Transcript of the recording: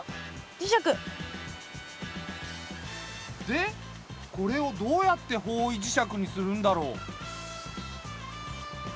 でこれをどうやって方位磁石にするんだろう？